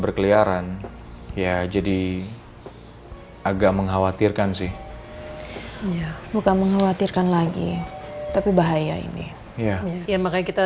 berkeliaran ya jadi agak mengkhawatirkan sih ya bukan mengkhawatirkan lagi tapi bahaya ini ya makanya kita